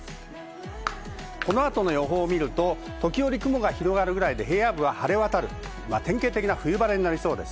この後の予報、時折雲が広がるくらいで、平野部を晴れ渡る典型的な冬晴れとなりそうです。